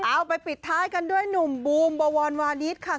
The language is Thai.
เอาไปปิดท้ายกันด้วยหนุ่มบูมบวรวานิสค่ะ